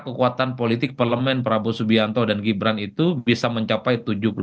kekuatan politik parlemen prabowo subianto dan gibran itu bisa mencapai tujuh puluh delapan